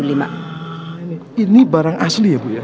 ini barang asli ya bu ya